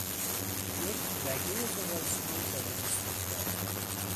یک رگهی زغالسنگ قابل استخراج